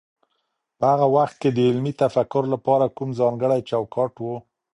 په هغه وخت کي د علمي تفکر لپاره کوم ځانګړی چوکاټ و؟